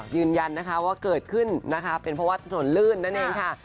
ยืนยันนะคะว่าเกิดขึ้นนะคะเป็นเพราะว่าถนนลื่นนั่นเองค่ะ